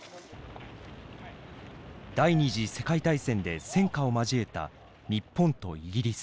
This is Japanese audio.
第２次世界大戦で戦火を交えた日本とイギリス。